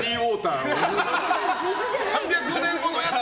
３００年後のやつ？